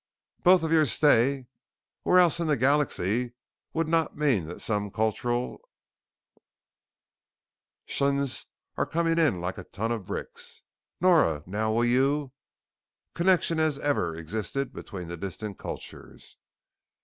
Both of your sta _ where else in the galaxy would not mean that some cultural tions are coming in like a ton of bricks." Nora, now will you connection had ever existed between the distant cultures.